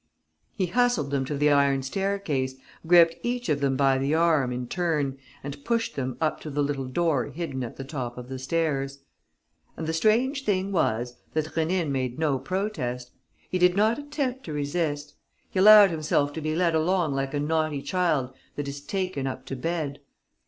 He hustled them to the iron staircase, gripped each of them by the arm in turn and pushed them up to the little door hidden at the top of the stairs. And the strange thing was that Rénine made no protest. He did not attempt to resist. He allowed himself to be led along like a naughty child that is taken up to bed.